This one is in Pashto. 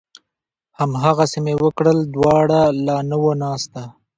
هماغسې مې وکړل، دوړه لا نه وه ناسته